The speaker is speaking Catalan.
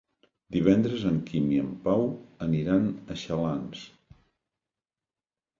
Divendres en Quim i en Pau aniran a Xalans.